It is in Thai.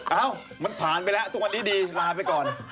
เอ้ามันผ่านไปแล้วทุกวันนี้ดีลาไปก่อน